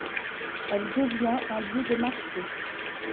Elle devient un lieu de marchés.